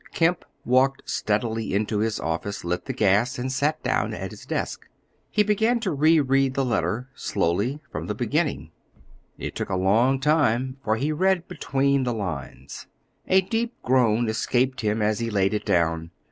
Kemp walked steadily into his office, lit the gas, and sat down at his desk. He began to re read the letter slowly from the beginning. It took a long time, for he read between the lines. A deep groan escaped him as he laid it down.